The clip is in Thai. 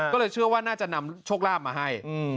ก็เลยเชื่อว่าน่าจะนำโชคลาภมาให้